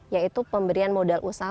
yaitu pemberian modal usaha